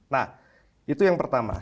nah itu yang pertama